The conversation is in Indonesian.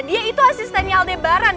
dia itu asistennya aldebaran